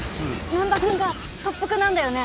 難破君が特服なんだよね？